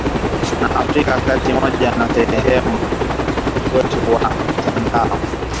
Na Afrika ya kati Pamoja na sehemu nyingine za dunia kupitia ukurasa wetu wa mtandao.